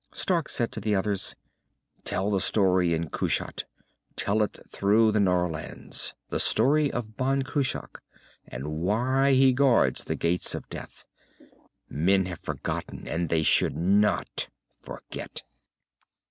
Stark said to the others, "Tell the story in Kushat. Tell it through the Norlands, the story of Ban Cruach and why he guards the Gates of Death. Men have forgotten. And they should not forget."